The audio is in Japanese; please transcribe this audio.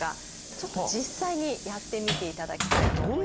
ちょっと実際にやってみていただきたいと思います。